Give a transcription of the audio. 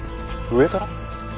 上から？